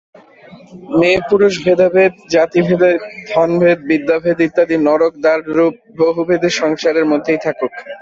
মেয়েপুরুষ-ভেদাভেদ, জাতিভেদ, ধনভেদ, বিদ্যাভেদ ইত্যাদি নরক-দ্বাররূপ বহুভেদ সংসারের মধ্যেই থাকুক।